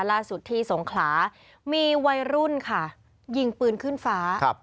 ล่าสุดที่สงขลามีวัยรุ่นค่ะยิงปืนขึ้นฟ้า